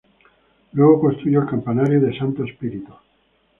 Luego construyó el campanario de Santo Spirito.